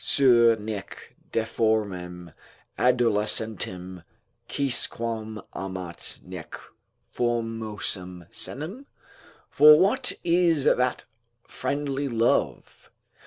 cur neque deformem adolescentem quisquam amat, neque formosum senem?" ["For what is that friendly love?